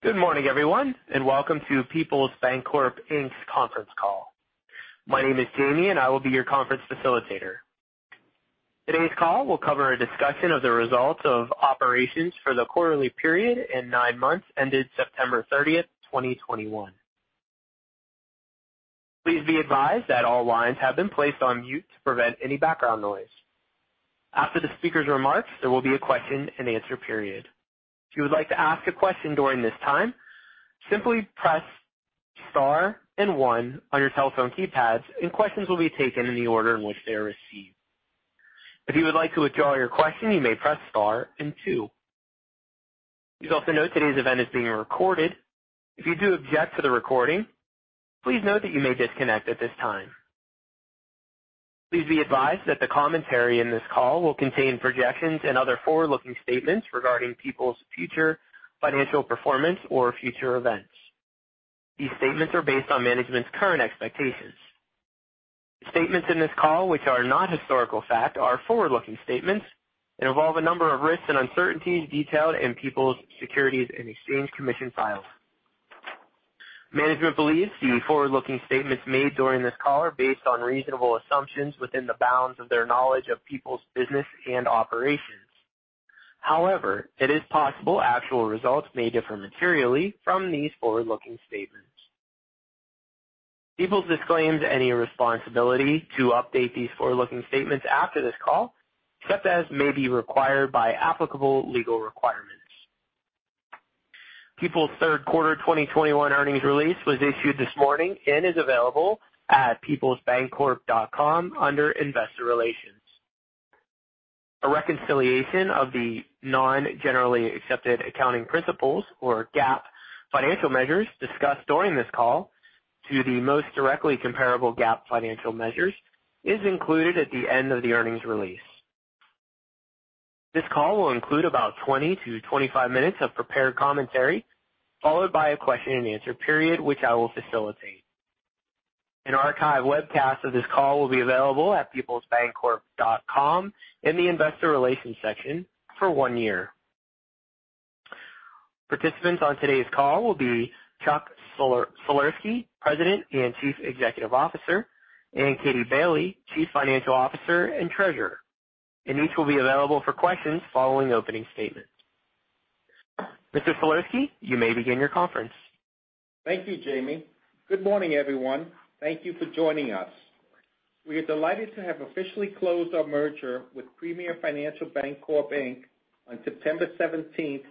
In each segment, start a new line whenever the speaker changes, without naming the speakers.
Good morning, everyone, and welcome to Peoples Bancorp Inc's conference call. My name is Jamie, and I will be your conference facilitator. Today's call will cover a discussion of the results of operations for the quarterly period and nine months ended September 30th, 2021. Please be advised that all lines have been placed on mute to prevent any background noise. After the speaker's remarks, there will be a question-and-answer period. If you would like to ask a question during this time, simply press star and one on your telephone keypads, and questions will be taken in the order in which they are received. If you would like to withdraw your question, you may press star and two. Please also note today's event is being recorded. If you do object to the recording, please note that you may disconnect at this time. Please be advised that the commentary in this call will contain projections and other forward-looking statements regarding Peoples' future financial performance or future events. These statements are based on management's current expectations. Statements in this call which are not historical fact are forward-looking statements and involve a number of risks and uncertainties detailed in Peoples' Securities and Exchange Commission filings. Management believes the forward-looking statements made during this call are based on reasonable assumptions within the bounds of their knowledge of Peoples' business and operations. However, it is possible actual results may differ materially from these forward-looking statements. Peoples disclaims any responsibility to update these forward-looking statements after this call, except as may be required by applicable legal requirements. Peoples' third quarter 2021 earnings release was issued this morning and is available at peoplesbancorp.com under Investor Relations. A reconciliation of the non-generally accepted accounting principles or GAAP financial measures discussed during this call to the most directly comparable GAAP financial measures is included at the end of the earnings release. This call will include about 20-25 minutes of prepared commentary, followed by a question-and-answer period, which I will facilitate. An archive webcast of this call will be available at peoplesbancorp.com in the Investor Relations section for one year. Participants on today's call will be Chuck Sulerzyski, President and Chief Executive Officer, and Katie Bailey, Chief Financial Officer and Treasurer. Each will be available for questions following opening statements. Mr. Sulerzyski, you may begin your conference.
Thank you, Jamie. Good morning, everyone. Thank you for joining us. We are delighted to have officially closed our merger with Premier Financial Bancorp, Inc on September 17th,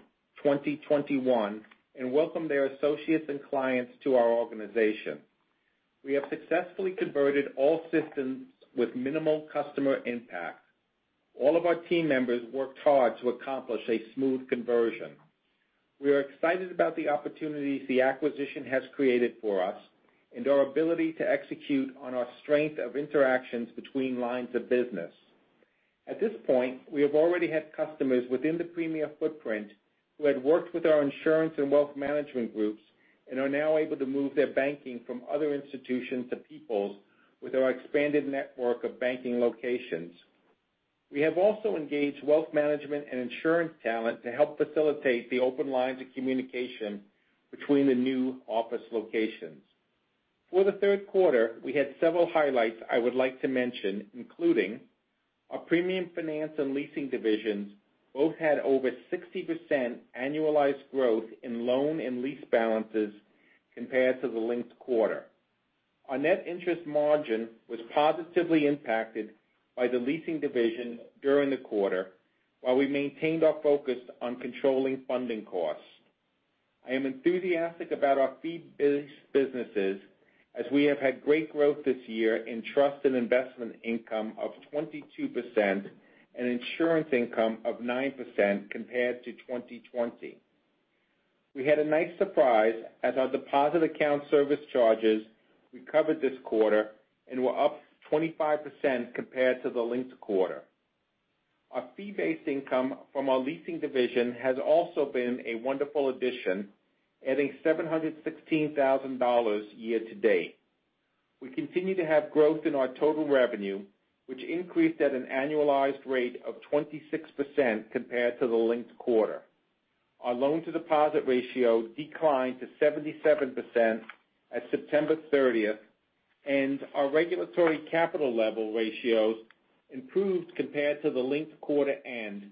2021, and welcome their associates and clients to our organization. We have successfully converted all systems with minimal customer impact. All of our team members worked hard to accomplish a smooth conversion. We are excited about the opportunities the acquisition has created for us and our ability to execute on our strength of interactions between lines of business. At this point, we have already had customers within the Premier footprint who had worked with our insurance and wealth management groups and are now able to move their banking from other institutions to Peoples with our expanded network of banking locations. We have also engaged wealth management and insurance talent to help facilitate the open lines of communication between the new office locations. For the third quarter, we had several highlights I would like to mention, including our premium finance and leasing divisions both had over 60% annualized growth in loan and lease balances compared to the linked quarter. Our net interest margin was positively impacted by the leasing division during the quarter, while we maintained our focus on controlling funding costs. I am enthusiastic about our fee-based businesses as we have had great growth this year in trust and investment income of 22% and insurance income of 9% compared to 2020. We had a nice surprise as our deposit account service charges recovered this quarter and were up 25% compared to the linked quarter. Our fee-based income from our leasing division has also been a wonderful addition, adding $716,000 year-to-date. We continue to have growth in our total revenue, which increased at an annualized rate of 26% compared to the linked quarter. Our loan-to-deposit ratio declined to 77% at September 30th, and our regulatory capital level ratios improved compared to the linked quarter end,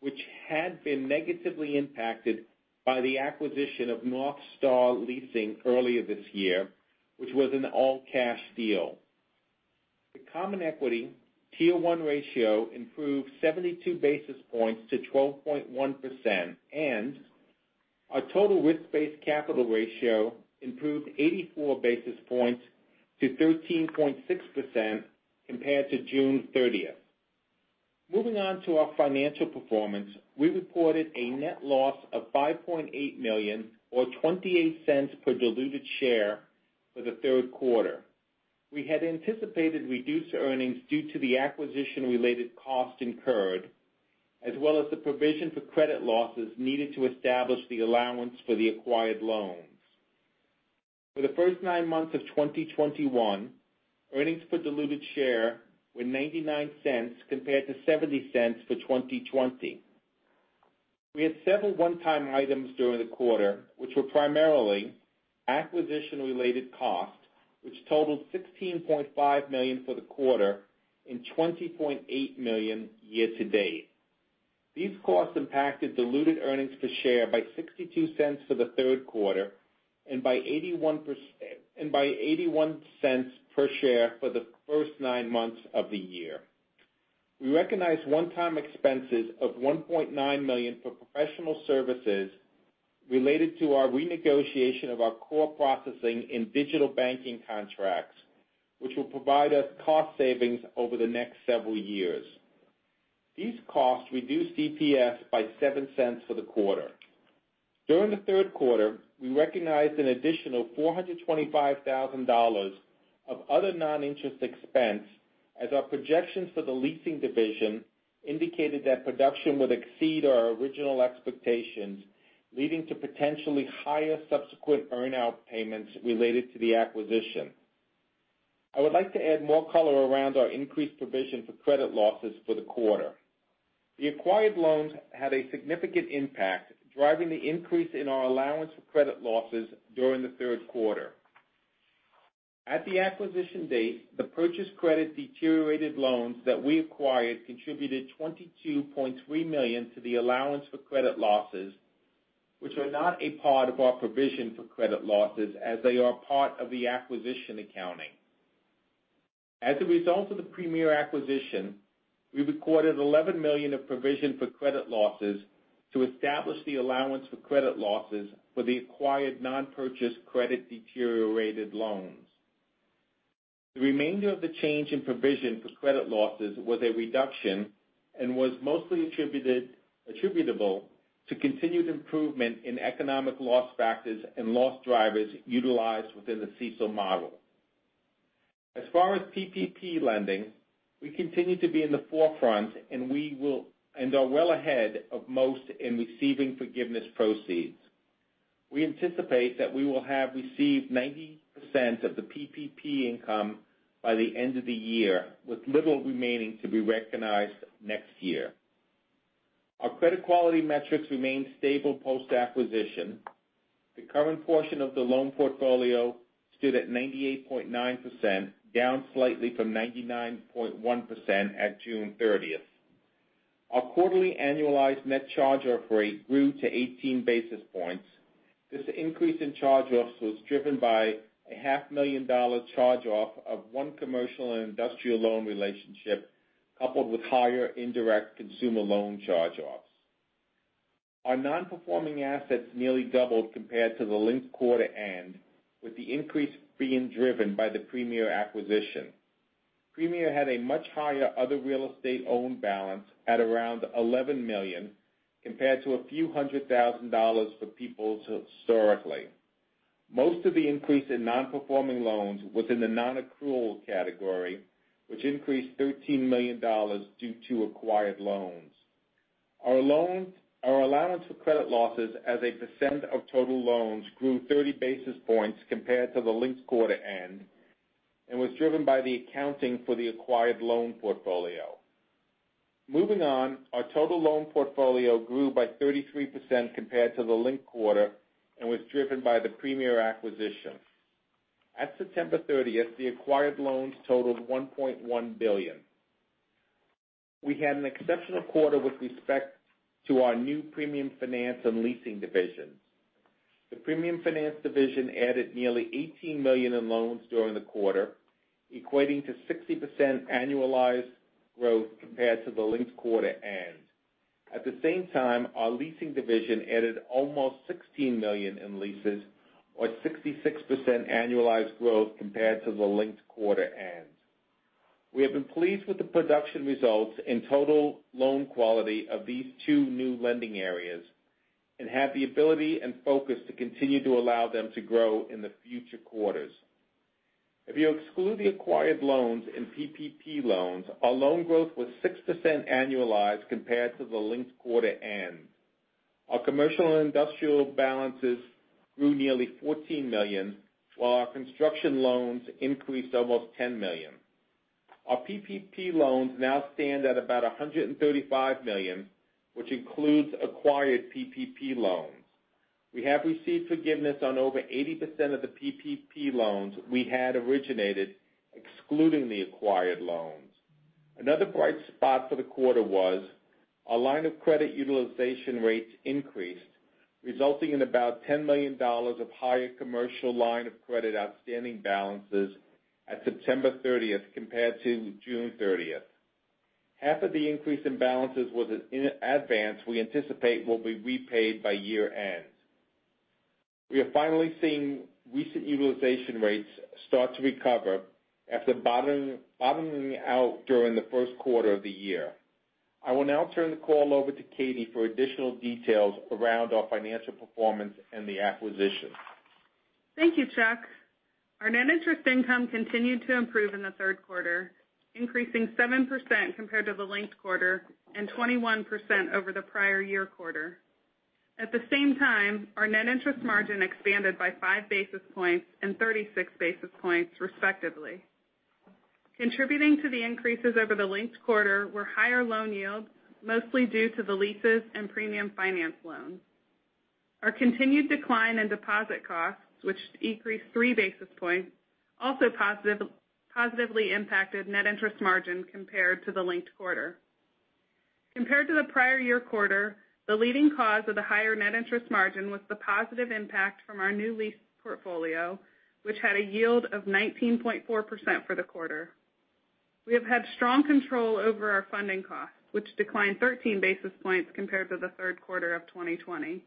which had been negatively impacted by the acquisition of North Star Leasing earlier this year, which was an all-cash deal. The Common Equity Tier 1 ratio improved 72 basis points to 12.1%. Our total risk-based capital ratio improved 84 basis points to 13.6% compared to June 30th. Moving on to our financial performance. We reported a net loss of $5.8 million or $0.28 per diluted share for the third quarter. We had anticipated reduced earnings due to the acquisition-related costs incurred, as well as the provision for credit losses needed to establish the allowance for the acquired loans. For the first nine months of 2021, earnings per diluted share were $0.99 compared to $0.70 for 2020. We had several one-time items during the quarter, which were primarily acquisition-related costs, which totaled $16.5 million for the quarter and $20.8 million year-to-date. These costs impacted diluted earnings per share by $0.62 for the third quarter and by $0.81 per share for the first nine months of the year. We recognized one-time expenses of $1.9 million for professional services related to our renegotiation of our core processing in digital banking contracts, which will provide us cost savings over the next several years. These costs reduced EPS by $0.07 for the quarter. During the third quarter, we recognized an additional $425,000 of other non-interest expense as our projections for the leasing division indicated that production would exceed our original expectations, leading to potentially higher subsequent earn-out payments related to the acquisition. I would like to add more color around our increased provision for credit losses for the quarter. The acquired loans had a significant impact, driving the increase in our allowance for credit losses during the third quarter. At the acquisition date, the purchased credit deteriorated loans that we acquired contributed $22.3 million to the allowance for credit losses, which are not a part of our provision for credit losses as they are part of the acquisition accounting. As a result of the Premier acquisition, we recorded $11 million of provision for credit losses to establish the allowance for credit losses for the acquired non-purchased credit deteriorated loans. The remainder of the change in provision for credit losses was a reduction and was mostly attributable to continued improvement in economic loss factors and loss drivers utilized within the CECL model. As far as PPP lending, we continue to be in the forefront, and are well ahead of most in receiving forgiveness proceeds. We anticipate that we will have received 90% of the PPP income by the end of the year, with little remaining to be recognized next year. Our credit quality metrics remain stable post-acquisition. The current portion of the loan portfolio stood at 98.9%, down slightly from 99.1% at June 30th. Our quarterly annualized net charge-off rate grew to 18 basis points. This increase in charge-offs was driven by a $500,000 charge-off of one commercial and industrial loan relationship, coupled with higher indirect consumer loan charge-offs. Our non-performing assets nearly doubled compared to the linked quarter end, with the increase being driven by the Premier acquisition. Premier had a much higher other real estate owned balance at around $11 million, compared to a few hundred thousand dollars for Peoples historically. Most of the increase in non-performing loans was in the non-accrual category, which increased $13 million due to acquired loans. Our allowance for credit losses as a percent of total loans grew 30 basis points compared to the linked quarter end and was driven by the accounting for the acquired loan portfolio. Moving on, our total loan portfolio grew by 33% compared to the linked quarter and was driven by the Premier acquisition. At September 30th, the acquired loans totaled $1.1 billion. We had an exceptional quarter with respect to our new premium finance and leasing divisions. The premium finance division added nearly $18 million in loans during the quarter, equating to 60% annualized growth compared to the linked quarter end. At the same time, our leasing division added almost $16 million in leases or 66% annualized growth compared to the linked quarter end. We have been pleased with the production results and total loan quality of these two new lending areas and have the ability and focus to continue to allow them to grow in the future quarters. If you exclude the acquired loans and PPP loans, our loan growth was 6% annualized compared to the linked quarter end. Our commercial and industrial balances grew nearly $14 million, while our construction loans increased almost $10 million. Our PPP loans now stand at about $135 million, which includes acquired PPP loans. We have received forgiveness on over 80% of the PPP loans we had originated, excluding the acquired loans. Another bright spot for the quarter was our line of credit utilization rates increased, resulting in about $10 million of higher commercial line of credit outstanding balances at September 30th compared to June 30th. Half of the increase in balances was in advance we anticipate will be repaid by year-end. We are finally seeing recent utilization rates start to recover after bottoming out during the first quarter of the year. I will now turn the call over to Katie for additional details around our financial performance and the acquisition.
Thank you, Chuck. Our net interest income continued to improve in the third quarter, increasing 7% compared to the linked quarter and 21% over the prior year quarter. At the same time, our net interest margin expanded by 5 basis points and 36 basis points, respectively. Contributing to the increases over the linked quarter were higher loan yields, mostly due to the leases and premium finance loans. Our continued decline in deposit costs, which decreased 3 basis points, also positively impacted net interest margin compared to the linked quarter. Compared to the prior year quarter, the leading cause of the higher net interest margin was the positive impact from our new lease portfolio, which had a yield of 19.4% for the quarter. We have had strong control over our funding costs, which declined 13 basis points compared to the third quarter of 2020.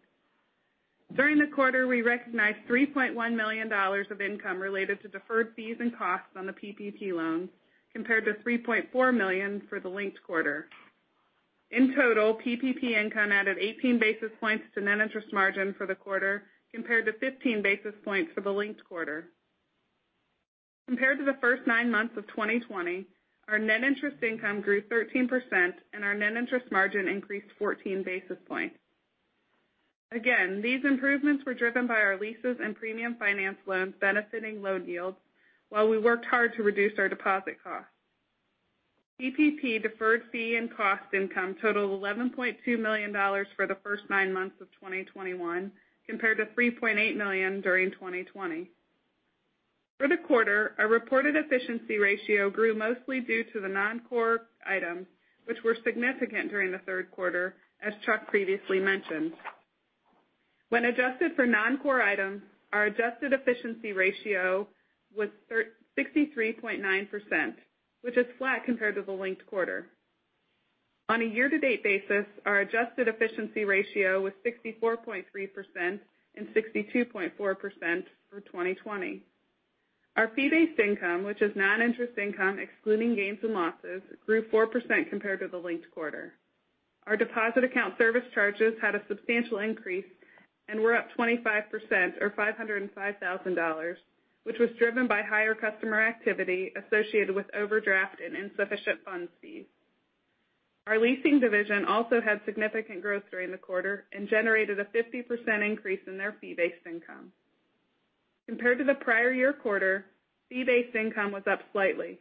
During the quarter, we recognized $3.1 million of income related to deferred fees and costs on the PPP loan, compared to $3.4 million for the linked quarter. In total, PPP income added 18 basis points to net interest margin for the quarter, compared to 15 basis points for the linked quarter. Compared to the first nine months of 2020, our net interest income grew 13% and our net interest margin increased 14 basis points. These improvements were driven by our leases and premium finance loans benefiting loan yields while we worked hard to reduce our deposit costs. PPP deferred fee and cost income totaled $11.2 million for the first nine months of 2021, compared to $3.8 million during 2020. For the quarter, our reported efficiency ratio grew mostly due to the non-core items, which were significant during the third quarter, as Chuck previously mentioned. When adjusted for non-core items, our adjusted efficiency ratio was 63.9%, which is flat compared to the linked quarter. On a year-to-date basis, our adjusted efficiency ratio was 64.3% and 62.4% for 2020. Our fee-based income, which is net interest income excluding gains and losses, grew 4% compared to the linked quarter. Our deposit account service charges had a substantial increase and were up 25% or $505,000, which was driven by higher customer activity associated with overdraft and insufficient funds fees. Our leasing division also had significant growth during the quarter and generated a 50% increase in their fee-based income. Compared to the prior year quarter, fee-based income was up slightly.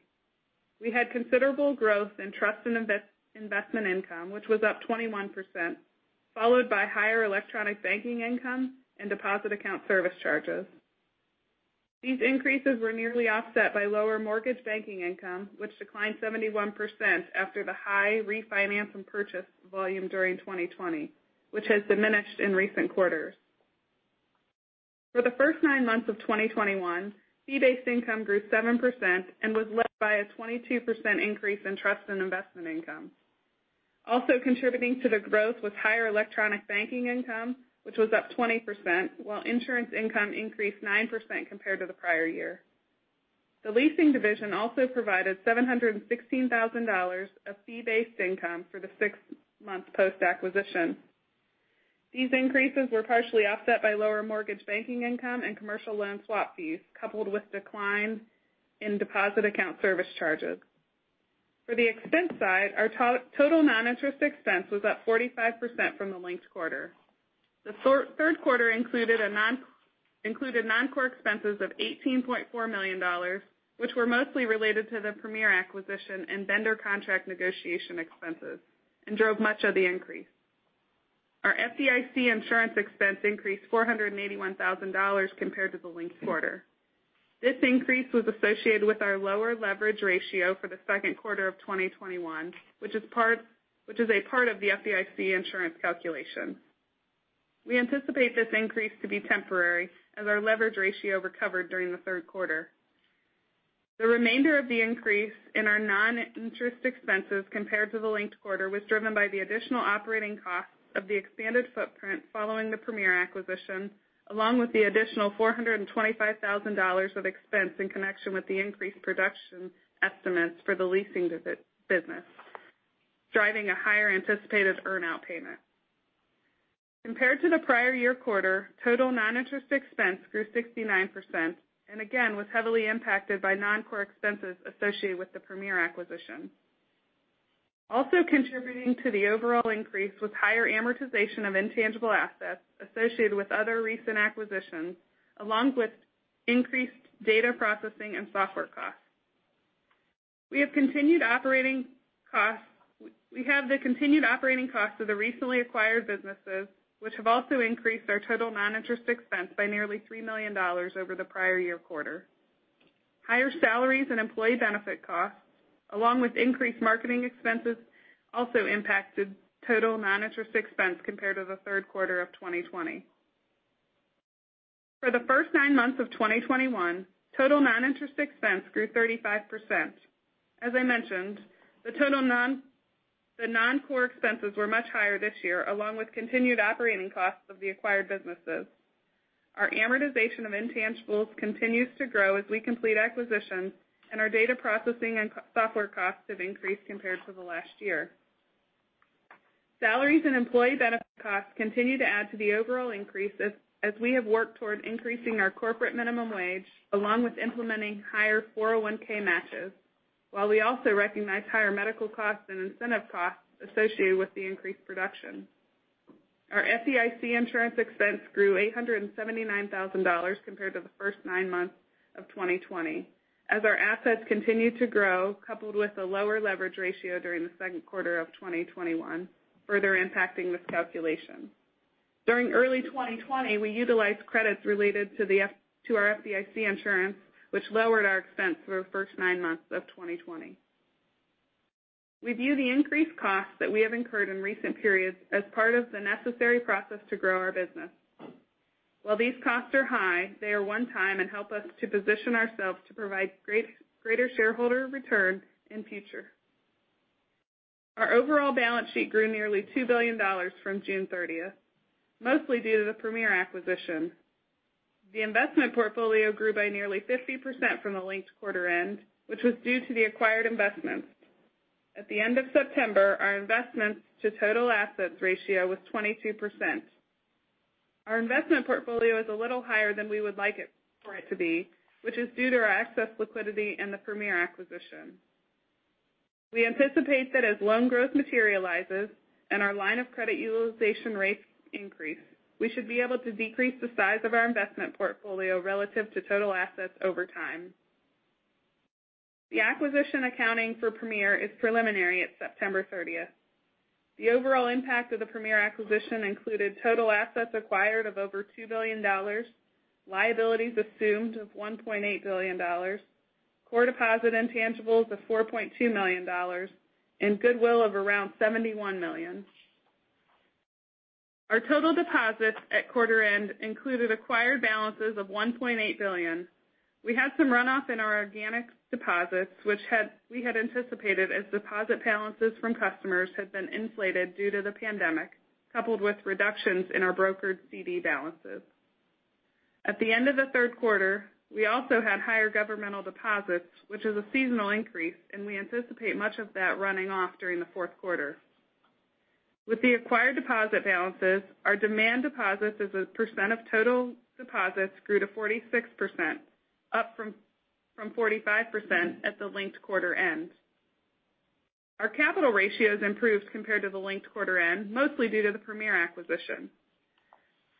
We had considerable growth in trust and invest-investment income, which was up 21%, followed by higher electronic banking income and deposit account service charges. These increases were nearly offset by lower mortgage banking income, which declined 71% after the high refinance and purchase volume during 2020, which has diminished in recent quarters. For the first nine months of 2021, fee-based income grew 7% and was led by a 22% increase in trust and investment income. Also contributing to the growth was higher electronic banking income, which was up 20%, while insurance income increased 9% compared to the prior year. The leasing division also provided $716,000 of fee-based income for the six months post-acquisition. These increases were partially offset by lower mortgage banking income and commercial loan swap fees, coupled with decline in deposit account service charges. For the expense side, our total non-interest expense was up 45% from the linked quarter. The third quarter included non-core expenses of $18.4 million, which were mostly related to the Premier acquisition and vendor contract negotiation expenses and drove much of the increase. Our FDIC insurance expense increased $481,000 compared to the linked quarter. This increase was associated with our lower leverage ratio for the second quarter of 2021, which is a part of the FDIC insurance calculation. We anticipate this increase to be temporary as our leverage ratio recovered during the third quarter. The remainder of the increase in our non-interest expenses compared to the linked quarter was driven by the additional operating costs of the expanded footprint following the Premier acquisition, along with the additional $425,000 of expense in connection with the increased production estimates for the leasing business, driving a higher anticipated earn-out payment. Compared to the prior year quarter, total non-interest expense grew 69% and again, was heavily impacted by non-core expenses associated with the Premier acquisition. Also contributing to the overall increase was higher amortization of intangible assets associated with other recent acquisitions, along with increased data processing and software costs. We have the continued operating costs of the recently acquired businesses, which have also increased our total non-interest expense by nearly $3 million over the prior year quarter. Higher salaries and employee benefit costs, along with increased marketing expenses, also impacted total non-interest expense compared to the third quarter of 2020. For the first nine months of 2021, total non-interest expense grew 35%. As I mentioned, the total non-core expenses were much higher this year, along with continued operating costs of the acquired businesses. Our amortization of intangibles continues to grow as we complete acquisitions, and our data processing and software costs have increased compared to the last year. Salaries and employee benefit costs continue to add to the overall increase as we have worked toward increasing our corporate minimum wage along with implementing higher 401(k) matches, while we also recognize higher medical costs and incentive costs associated with the increased production. Our FDIC insurance expense grew $879,000 compared to the first nine months of 2020 as our assets continued to grow, coupled with a lower leverage ratio during the second quarter of 2021, further impacting this calculation. During early 2020, we utilized credits related to our FDIC insurance, which lowered our expense for the first nine months of 2020. We view the increased costs that we have incurred in recent periods as part of the necessary process to grow our business. While these costs are high, they are one time and help us to position ourselves to provide greater shareholder return in future. Our overall balance sheet grew nearly $2 billion from June 30th, mostly due to the Premier acquisition. The investment portfolio grew by nearly 50% from the linked quarter end, which was due to the acquired investments. At the end of September, our investments to total assets ratio was 22%. Our investment portfolio is a little higher than we would like it for it to be, which is due to our excess liquidity and the Premier acquisition. We anticipate that as loan growth materializes and our line of credit utilization rates increase, we should be able to decrease the size of our investment portfolio relative to total assets over time. The acquisition accounting for Premier is preliminary at September 30th. The overall impact of the Premier acquisition included total assets acquired of over $2 billion, liabilities assumed of $1.8 billion, core deposit intangibles of $4.2 million, and goodwill of around $71 million. Our total deposits at quarter end included acquired balances of $1.8 billion. We had some runoff in our organic deposits we had anticipated as deposit balances from customers had been inflated due to the pandemic, coupled with reductions in our brokered CD balances. At the end of the third quarter, we also had higher governmental deposits, which is a seasonal increase, and we anticipate much of that running off during the fourth quarter. With the acquired deposit balances, our demand deposits as a percent of total deposits grew to 46%, up from 45% at the linked quarter end. Our capital ratios improved compared to the linked quarter end, mostly due to the Premier acquisition.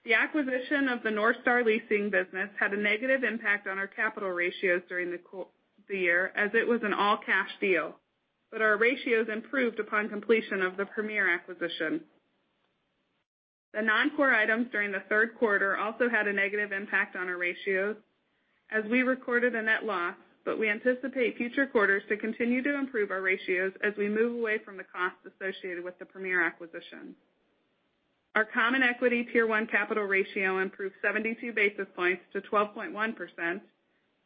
The acquisition of the North Star Leasing business had a negative impact on our capital ratios during the year as it was an all-cash deal, but our ratios improved upon completion of the Premier acquisition. The non-core items during the third quarter also had a negative impact on our ratios as we recorded a net loss, but we anticipate future quarters to continue to improve our ratios as we move away from the costs associated with the Premier acquisition. Our Common Equity Tier 1 capital ratio improved 72 basis points to 12.1%.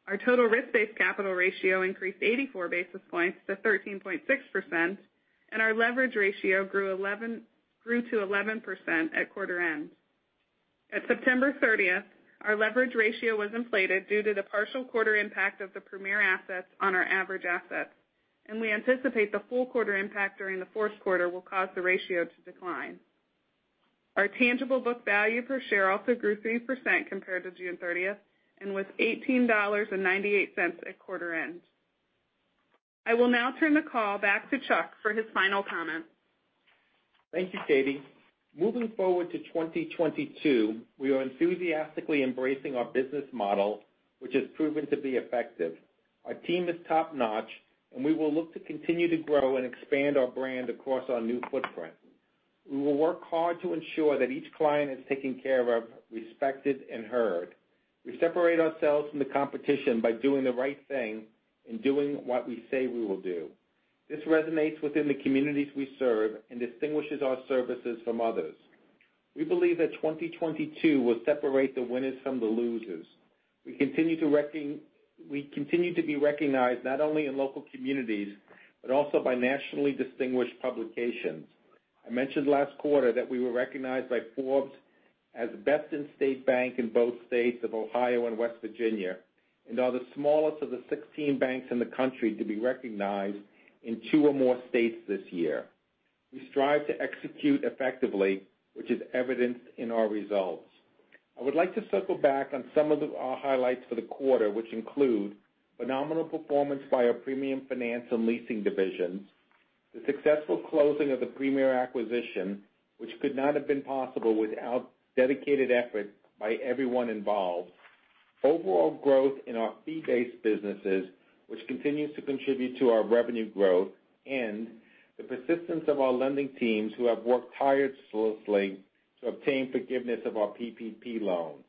Our total risk-based capital ratio increased 84 basis points to 13.6%, and our leverage ratio grew to 11% at quarter end. At September 30th, our leverage ratio was inflated due to the partial quarter impact of the Premier assets on our average assets, and we anticipate the full quarter impact during the fourth quarter will cause the ratio to decline. Our tangible book value per share also grew 3% compared to June 30th and was $18.98 at quarter end. I will now turn the call back to Chuck for his final comments.
Thank you, Katie. Moving forward to 2022, we are enthusiastically embracing our business model, which has proven to be effective. Our team is top-notch, and we will look to continue to grow and expand our brand across our new footprint. We will work hard to ensure that each client is taken care of, respected, and heard. We separate ourselves from the competition by doing the right thing and doing what we say we will do. This resonates within the communities we serve and distinguishes our services from others. We believe that 2022 will separate the winners from the losers. We continue to be recognized not only in local communities, but also by nationally distinguished publications. I mentioned last quarter that we were recognized by Forbes as Best-In-State Bank in both states of Ohio and West Virginia, and are the smallest of the 16 banks in the country to be recognized in two or more states this year. We strive to execute effectively, which is evidenced in our results. I would like to circle back on some of our highlights for the quarter, which include phenomenal performance by our premium finance and leasing divisions, the successful closing of the Premier acquisition, which could not have been possible without dedicated effort by everyone involved. Overall growth in our fee-based businesses, which continues to contribute to our revenue growth and the persistence of our lending teams who have worked tirelessly to obtain forgiveness of our PPP loans.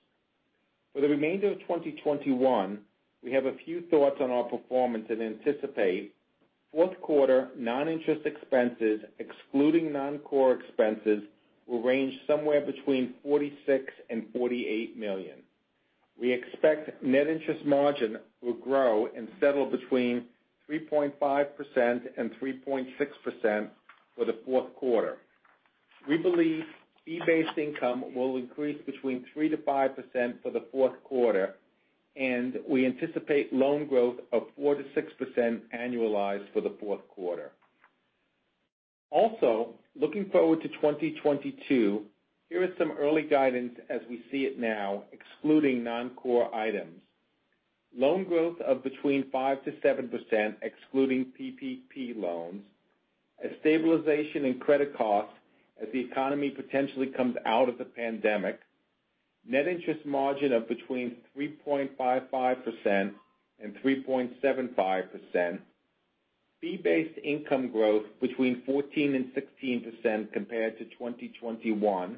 For the remainder of 2021, we have a few thoughts on our performance and anticipate fourth quarter non-interest expenses, excluding non-core expenses, will range somewhere between $46 million and $48 million. We expect net interest margin will grow and settle between 3.5% and 3.6% for the fourth quarter. We believe fee-based income will increase between 3%-5% for the fourth quarter. We anticipate loan growth of 4%-6% annualized for the fourth quarter. Looking forward to 2022, here is some early guidance as we see it now, excluding non-core items. Loan growth of between 5%-7% excluding PPP loans. A stabilization in credit costs as the economy potentially comes out of the pandemic. Net interest margin of between 3.55% and 3.75%. Fee-based income growth between 14% and 16% compared to 2021.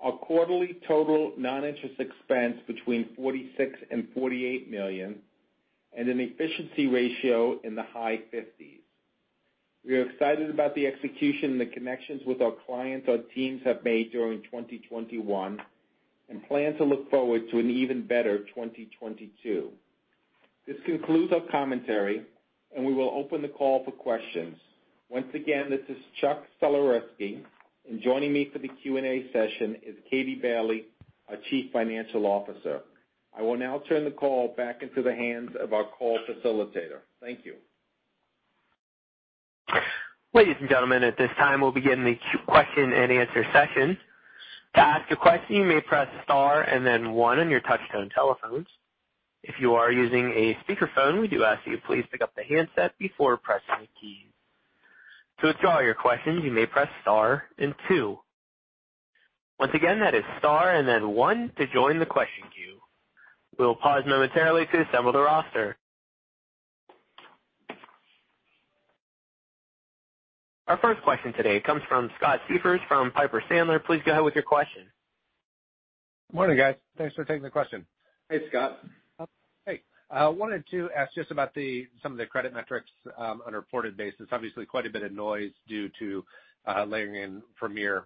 Our quarterly total non-interest expense between $46 million and $48 million, and an efficiency ratio in the high 50%s. We are excited about the execution and the connections with our clients our teams have made during 2021 and plan to look forward to an even better 2022. This concludes our commentary, and we will open the call for questions. Once again, this is Chuck Sulerzyski, and joining me for the Q&A session is Katie Bailey, our Chief Financial Officer. I will now turn the call back into the hands of our call facilitator. Thank you.
Ladies and gentlemen, at this time, we'll begin the question-and-answer session. To ask a question, you may press star and then one on your touch-tone telephones. If you are using a speakerphone, we do ask you to please pick up the handset before pressing a key. To withdraw your questions, you may press star and two. Once again, that is star and then one to join the question queue. We'll pause momentarily to assemble the roster. Our first question today comes from Scott Siefers from Piper Sandler. Please go ahead with your question.
Morning, guys. Thanks for taking the question.
Hey, Scott.
Hey. I wanted to ask just about some of the credit metrics on a reported basis. Obviously, quite a bit of noise due to layering in Premier.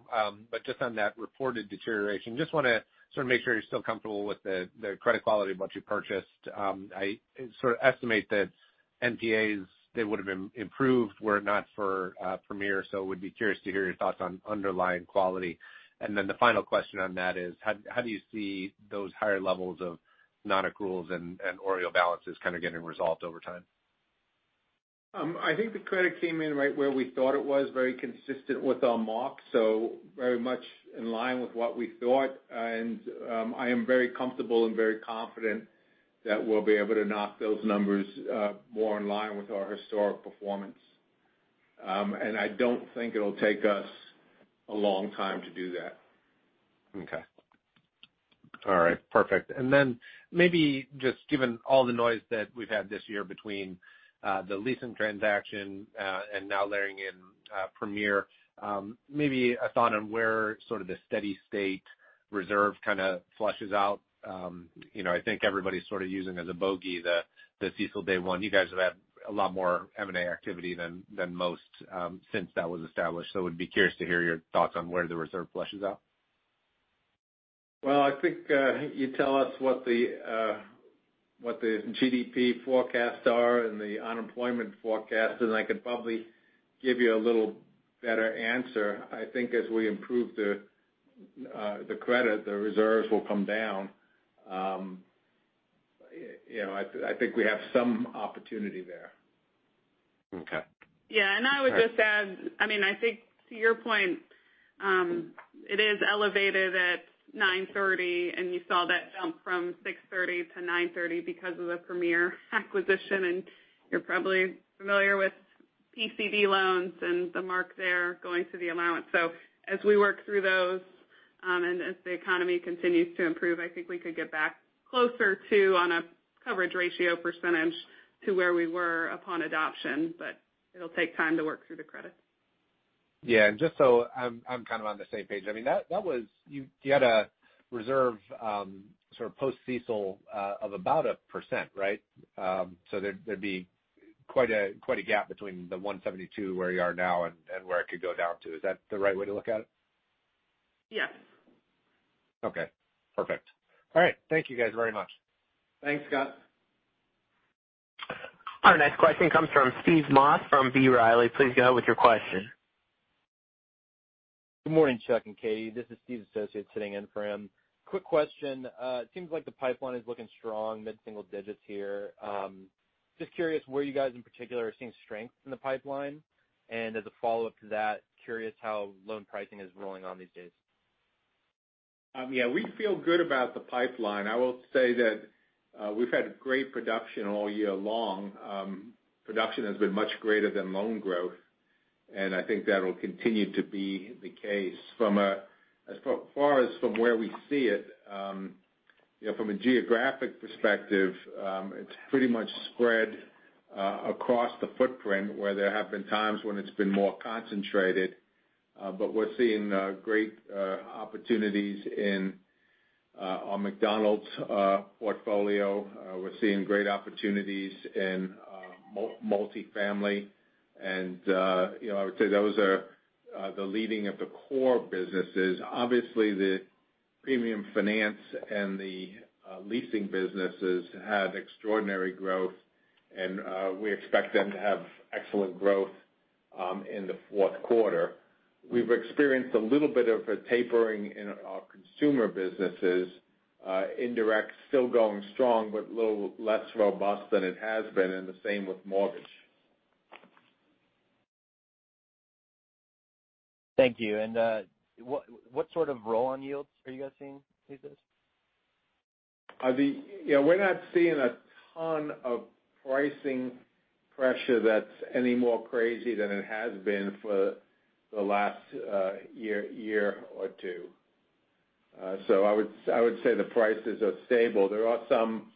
But just on that reported deterioration, just wanna sort of make sure you're still comfortable with the credit quality of what you purchased. I sort of estimate that NPAs they would've improved were it not for Premier. Would be curious to hear your thoughts on underlying quality. The final question on that is, how do you see those higher levels of non-accruals and OREO balances kind of getting resolved over time?
I think the credit came in right where we thought it was, very consistent with our mock, so very much in line with what we thought. I am very comfortable and very confident that we'll be able to knock those numbers more in line with our historic performance. I don't think it'll take us a long time to do that.
Okay. All right. Perfect. Then maybe just given all the noise that we've had this year between the leasing transaction and now layering in Premier, maybe a thought on where sort of the steady state reserve kinda flushes out. You know, I think everybody's sort of using as a bogey the CECL day one. You guys have had a lot more M&A activity than most since that was established. Would be curious to hear your thoughts on where the reserve flushes out.
Well, I think, you tell us what the GDP forecasts are and the unemployment forecast, and I could probably give you a little better answer. I think as we improve the credit, the reserves will come down. You know, I think we have some opportunity there.
Okay.
Yeah. I would just add, I mean, I think to your point, it is elevated at 9.30%, and you saw that jump from 6.30% to 9.30% because of the Premier acquisition. You're probably familiar with PCD loans and the mark there going to the allowance. As we work through those, and as the economy continues to improve, I think we could get back closer to on a coverage ratio percentage to where we were upon adoption, but it'll take time to work through the credits.
Yeah. Just so I'm kind of on the same page, I mean, that was you had a reserve sort of post-CECL of about 1%, right? So there'd be quite a gap between the 1.72% where you are now and where it could go down to. Is that the right way to look at it?
Yes.
Okay. Perfect. All right. Thank you guys very much.
Thanks, Scott.
Our next question comes from Steve Moss from B. Riley. Please go with your question.
Good morning, Chuck and Katie. This is Steve's associate sitting in for him. Quick question. It seems like the pipeline is looking strong, mid-single-digits here. Just curious where you guys in particular are seeing strength in the pipeline. As a follow-up to that, curious how loan pricing is holding these days.
Yeah, we feel good about the pipeline. I will say that we've had great production all year long. Production has been much greater than loan growth, and I think that'll continue to be the case. From where we see it, you know, from a geographic perspective, it's pretty much spread across the footprint where there have been times when it's been more concentrated. We're seeing great opportunities in our multifamily. We're seeing great opportunities in multifamily. You know, I would say those are the leading of the core businesses. Obviously, the premium finance and the leasing businesses have extraordinary growth and we expect them to have excellent growth in the fourth quarter. We've experienced a little bit of a tapering in our consumer businesses. Indirect still going strong, but a little less robust than it has been, and the same with mortgage.
Thank you. What sort of roll on yields are you guys seeing these days?
Yeah, we're not seeing a ton of pricing pressure that's any more crazy than it has been for the last year or two. I would say the prices are stable. There are some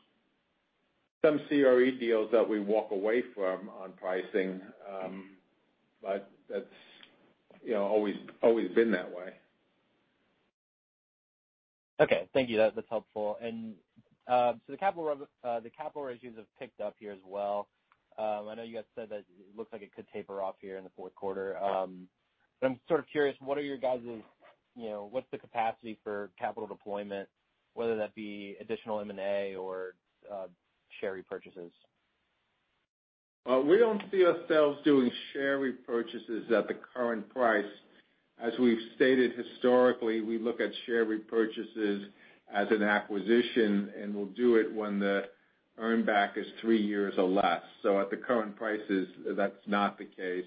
CRE deals that we walk away from on pricing. That's, you know, always been that way.
Okay. Thank you. That's helpful. The capital ratios have picked up here as well. I know you guys said that it looks like it could taper off here in the fourth quarter. I'm sort of curious, what are your guys' you know, what's the capacity for capital deployment, whether that be additional M&A or share repurchases?
Well, we don't see ourselves doing share repurchases at the current price. As we've stated historically, we look at share repurchases as an acquisition, and we'll do it when the earn back is three years or less. At the current prices, that's not the case.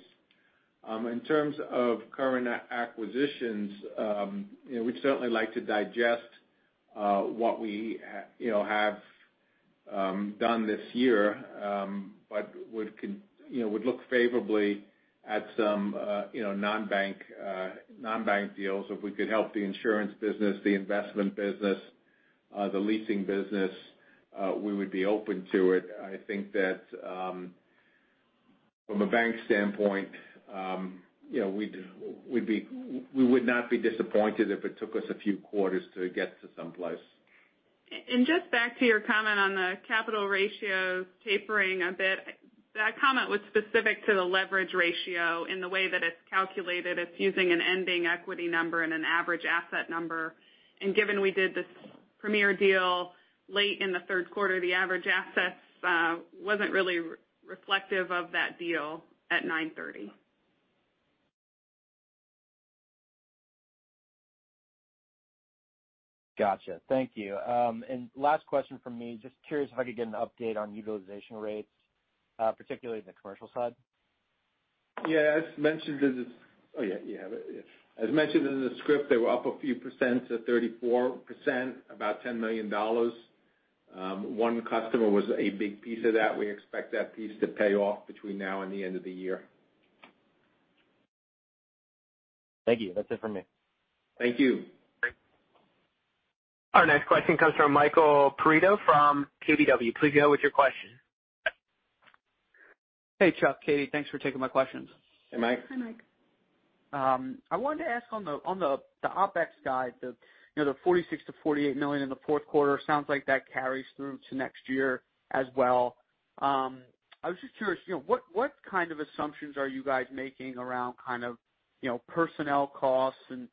In terms of current acquisitions, you know, we'd certainly like to digest what we have done this year. But would look favorably at some, you know, non-bank deals. If we could help the insurance business, the investment business, the leasing business, we would be open to it. I think that, from a bank standpoint, you know, we would not be disappointed if it took us a few quarters to get to some place.
Just back to your comment on the capital ratios tapering a bit. That comment was specific to the leverage ratio in the way that it's calculated. It's using an ending equity number and an average asset number. Given we did this Premier deal late in the third quarter, the average assets wasn't really reflective of that deal at 9/30.
Gotcha. Thank you. Last question from me. Just curious if I could get an update on utilization rates, particularly in the commercial side.
As mentioned in the script, they were up a few percent to 34%, about $10 million. One customer was a big piece of that. We expect that piece to pay off between now and the end of the year.
Thank you. That's it for me.
Thank you.
Our next question comes from Michael Perito from KBW. Please go with your question.
Hey, Chuck, Katie. Thanks for taking my questions.
Hey, Mike.
Hi, Mike.
I wanted to ask on the OpEx guide, you know, the $46 million-$48 million in the fourth quarter, sounds like that carries through to next year as well. I was just curious, you know, what kind of assumptions are you guys making around kind of, you know, personnel costs and,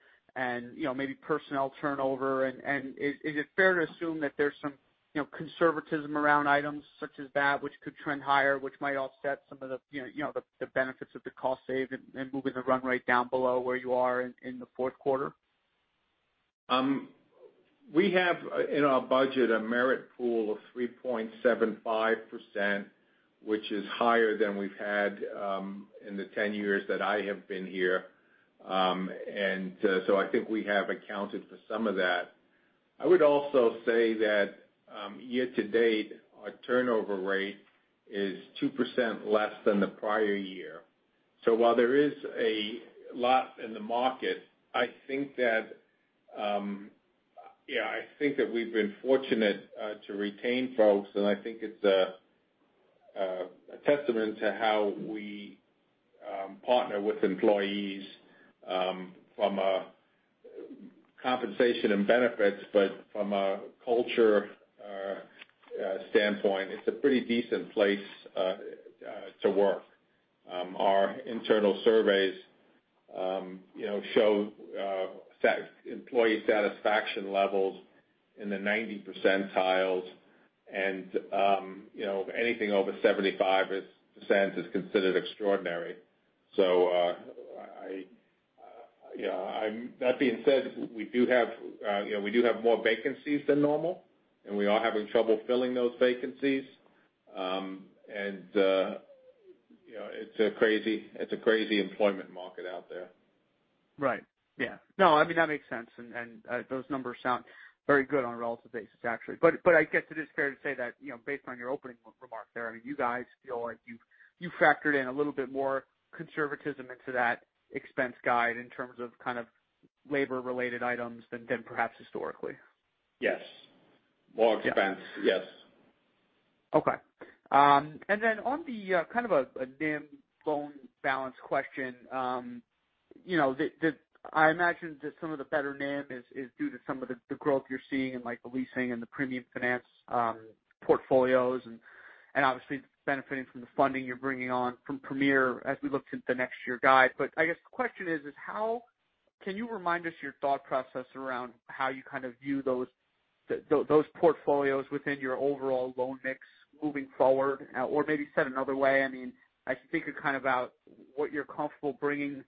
you know, maybe personnel turnover? Is it fair to assume that there's some, you know, conservatism around items such as that which could trend higher, which might offset some of the, you know, the benefits of the cost save and moving the run rate down below where you are in the fourth quarter?
We have in our budget a merit pool of 3.75%, which is higher than we've had in the 10 years that I have been here. I think we have accounted for some of that. I would also say that year-to-date, our turnover rate is 2% less than the prior year. While there is a lot in the market, I think that we've been fortunate to retain folks, and I think it's a testament to how we partner with employees from a compensation and benefits, but from a culture standpoint, it's a pretty decent place to work. Our internal surveys, you know, show employee satisfaction levels in the 90th percentile and, you know, anything over 75% is considered extraordinary. That being said, we do have, you know, more vacancies than normal, and we are having trouble filling those vacancies. You know, it's a crazy employment market out there.
Right. Yeah. No, I mean, that makes sense. Those numbers sound very good on a relative basis, actually. I guess it is fair to say that, you know, based on your opening remark there, I mean, you guys feel like you've factored in a little bit more conservatism into that expense guide in terms of kind of labor-related items than perhaps historically.
Yes. More expense.
Yeah.
Yes.
Okay. And then on the kind of a NIM loan balance question, you know, the I imagine that some of the better NIM is due to some of the growth you're seeing in like the leasing and the premium finance portfolios and obviously benefiting from the funding you're bringing on from Premier as we look to the next year guide. I guess the question is how can you remind us your thought process around how you kind of view those portfolios within your overall loan mix moving forward? Or maybe said another way, I mean, I think kind of about what you're comfortable bringing,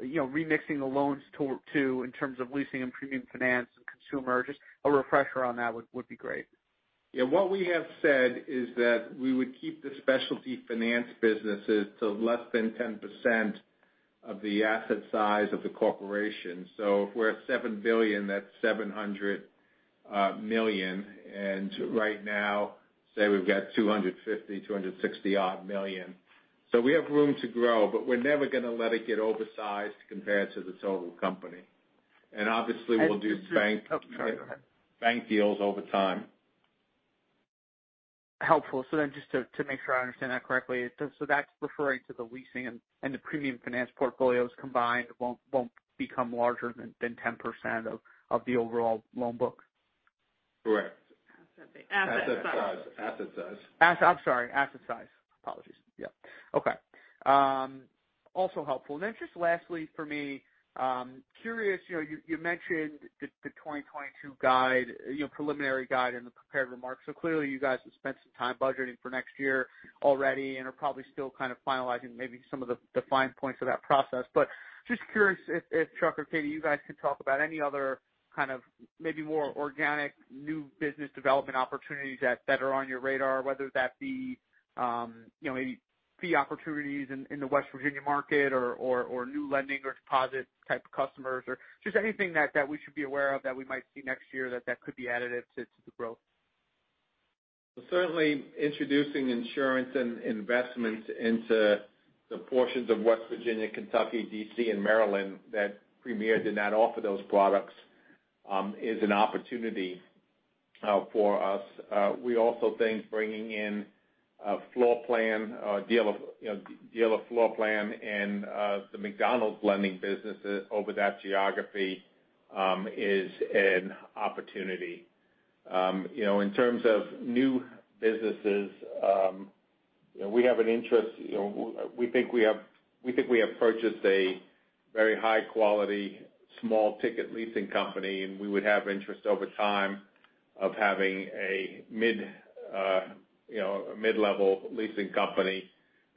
you know, remixing the loans to in terms of leasing and premium finance and consumer. Just a refresher on that would be great.
Yeah. What we have said is that we would keep the specialty finance businesses to less than 10% of the asset size of the corporation. If we're at $7 billion, that's $700 million. Right now, say we've got $250 million-$260 million. We have room to grow, but we're never gonna let it get oversized compared to the total company. Obviously we'll do bank-
Okay. Go ahead.
Bank deals over time.
Helpful. Just to make sure I understand that correctly. That's referring to the leasing and the premium finance portfolios combined won't become larger than 10% of the overall loan book.
Correct.
Asset base. Asset size.
Asset size.
I'm sorry. Asset size. Apologies. Yeah. Okay. Also helpful. Just lastly for me, curious, you know, you mentioned the 2022 guide, you know, preliminary guide in the prepared remarks. Clearly you guys have spent some time budgeting for next year already and are probably still kind of finalizing maybe some of the defined points of that process. Just curious if Chuck or Katie, you guys can talk about any other kind of maybe more organic new business development opportunities that are on your radar, whether that be, you know, maybe fee opportunities in the West Virginia market or new lending or deposit type of customers or just anything that we should be aware of that we might see next year that could be additive to the growth.
Certainly introducing insurance and investments into the portions of West Virginia, Kentucky, D.C. and Maryland that Premier did not offer those products is an opportunity for us. We also think bringing in a floor plan deal, you know, deal of floor plan and the McDonald's lending businesses over that geography is an opportunity. You know, in terms of new businesses, we think we have purchased a very high quality small ticket leasing company, and we would have interest over time of having a mid-level leasing company,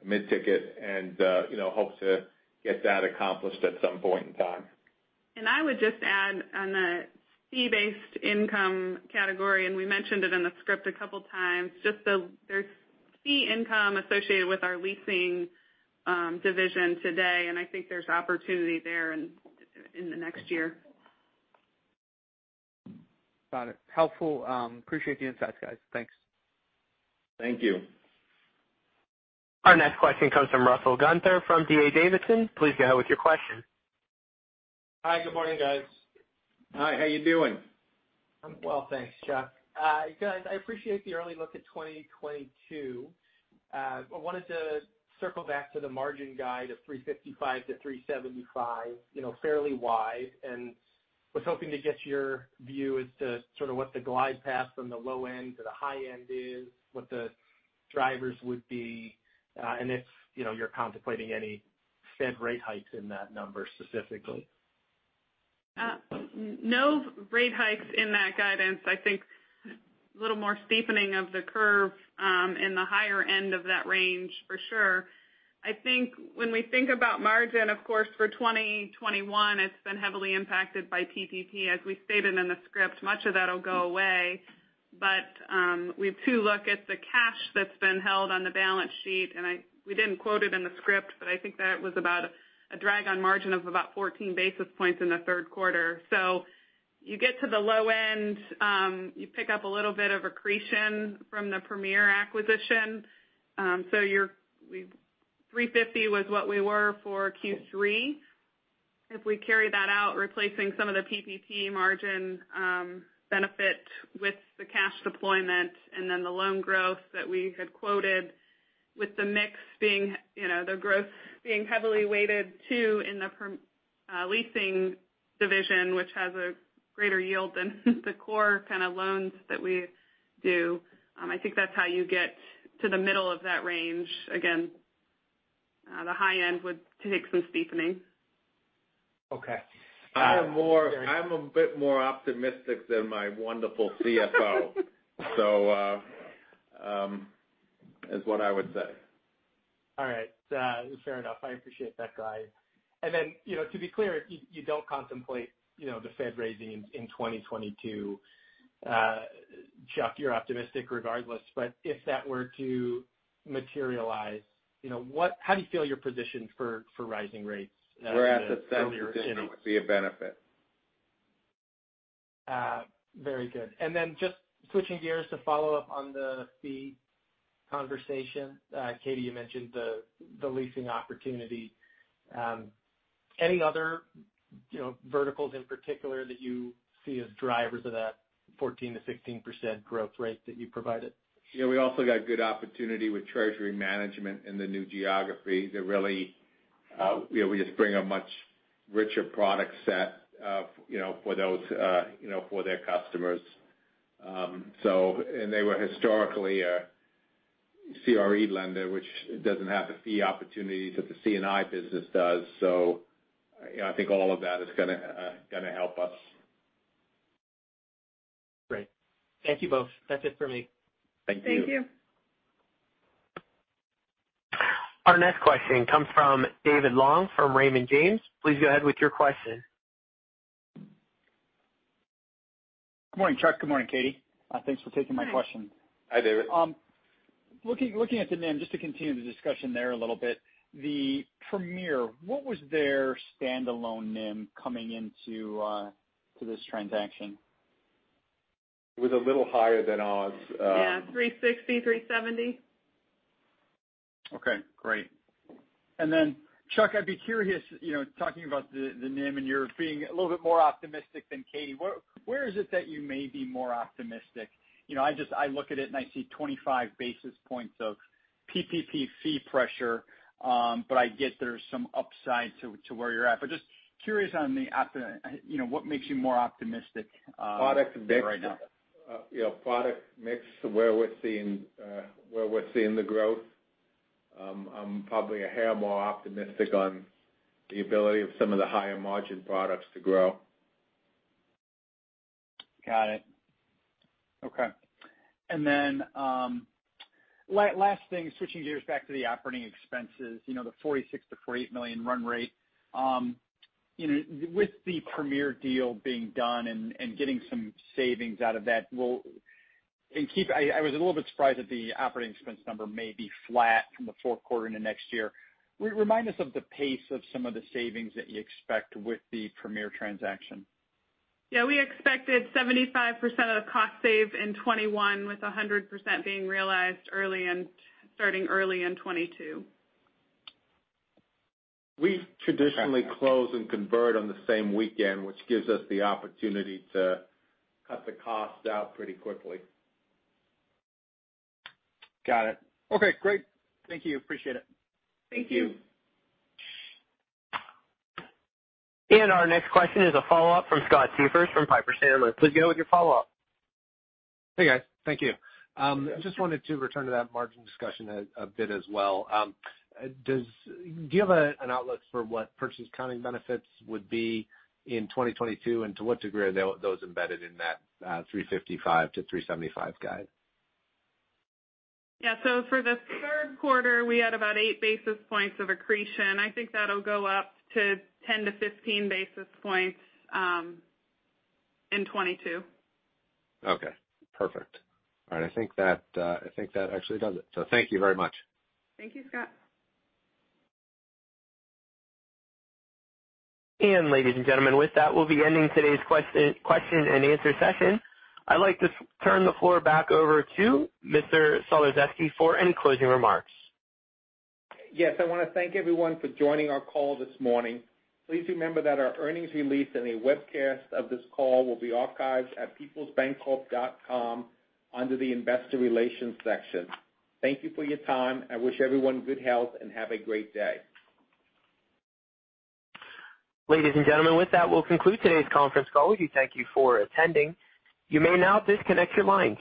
mid-ticket and you know hope to get that accomplished at some point in time.
I would just add on the fee-based income category, and we mentioned it in the script a couple times, just so there's fee income associated with our leasing division today, and I think there's opportunity there in the next year.
Got it. Helpful. Appreciate the insights, guys. Thanks.
Thank you.
Our next question comes from Russell Gunther from D.A. Davidson. Please go ahead with your question.
Hi. Good morning, guys.
Hi. How are you doing?
I'm well, thanks, Chuck. Guys, I appreciate the early look at 2022. I wanted to circle back to the margin guide of 3.55%-3.75%, you know, fairly wide, and was hoping to get your view as to sort of what the glide path from the low end to the high end is, what the drivers would be, and if, you know, you're contemplating any Fed rate hikes in that number specifically.
No rate hikes in that guidance. I think a little more steepening of the curve in the higher end of that range for sure. I think when we think about margin, of course, for 2021, it's been heavily impacted by PPP. As we stated in the script, much of that will go away. We have to look at the cash that's been held on the balance sheet. We didn't quote it in the script, but I think that was about a drag on margin of about 14 basis points in the third quarter. You get to the low end, you pick up a little bit of accretion from the Premier acquisition. 3.50% was what we were for Q3. If we carry that out, replacing some of the PPP margin benefit with the cash deployment and then the loan growth that we had quoted with the mix being, you know, the growth being heavily weighted to in the leasing division, which has a greater yield than the core kind of loans that we do. I think that's how you get to the middle of that range. Again, the high end would take some steepening.
Okay.
I'm a bit more optimistic than my wonderful CFO is what I would say.
All right. Fair enough. I appreciate that guidance. You know, to be clear, you don't contemplate, you know, the Fed raising in 2022. Chuck, you're optimistic regardless, but if that were to materialize, you know, what, how do you feel you're positioned for rising rates as the earlier-
For asset sensitivity, it would be a benefit.
Very good. Just switching gears to follow up on the fee conversation. Katie, you mentioned the leasing opportunity. Any other, you know, verticals in particular that you see as drivers of that 14%-16% growth rate that you provided?
Yeah. We also got good opportunity with treasury management in the new geography to really, you know, we just bring a much richer product set, you know, for those, you know, for their customers. They were historically a CRE lender, which doesn't have the fee opportunities that the C&I business does. I think all of that is gonna help us.
Great. Thank you both. That's it for me.
Thank you.
Thank you.
Our next question comes from David Long from Raymond James. Please go ahead with your question.
Good morning, Chuck. Good morning, Katie. Thanks for taking my question.
Hi.
Hi, David.
Looking at the NIM, just to continue the discussion there a little bit. The Premier, what was their standalone NIM coming into this transaction?
It was a little higher than ours.
Yeah, 3.60%, 3.70%.
Okay. Great. Then Chuck, I'd be curious, you know, talking about the NIM, and you're being a little bit more optimistic than Katie, where is it that you may be more optimistic? You know, I just I look at it, and I see 25 basis points of PPP fee pressure. But I get there's some upside to where you're at. But just curious. You know, what makes you more optimistic.
Product mix
right now?
You know, product mix where we're seeing the growth. I'm probably a hair more optimistic on the ability of some of the higher margin products to grow.
Got it. Okay. Last thing, switching gears back to the operating expenses. You know, the $46 million-$48 million run rate. You know, with the Premier deal being done and getting some savings out of that, I was a little bit surprised that the operating expense number may be flat from the fourth quarter into next year. Remind us of the pace of some of the savings that you expect with the Premier transaction.
Yeah. We expected 75% of the cost savings in 2021, with 100% being realized starting early in 2022.
We traditionally close and convert on the same weekend, which gives us the opportunity to cut the cost out pretty quickly.
Got it. Okay, great. Thank you. Appreciate it.
Thank you.
Thank you.
Our next question is a follow-up from Scott Siefers from Piper Sandler. Please go with your follow-up.
Hey, guys. Thank you. Just wanted to return to that margin discussion a bit as well. Do you have an outlook for what purchase accounting benefits would be in 2022, and to what degree are those embedded in that 3.55%-3.75% guide?
For the third quarter, we had about 8 basis points of accretion. I think that'll go up to 10 basis points-15 basis points in 2022.
Okay. Perfect. All right. I think that actually does it. Thank you very much.
Thank you, Scott.
Ladies and gentlemen, with that, we'll be ending today's question-and-answer session. I'd like to turn the floor back over to Mr. Sulerzyski for any closing remarks.
Yes, I wanna thank everyone for joining our call this morning. Please remember that our earnings release and a webcast of this call will be archived at peoplesbancorp.com under the Investor Relations section. Thank you for your time. I wish everyone good health, and have a great day.
Ladies and gentlemen, with that, we'll conclude today's conference call. We thank you for attending. You may now disconnect your lines.